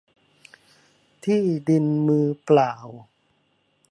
ที่ดินมือเปล่า